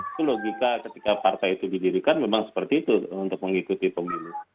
itu logika ketika partai itu didirikan memang seperti itu untuk mengikuti pemilu